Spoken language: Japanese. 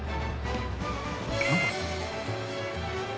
何これ？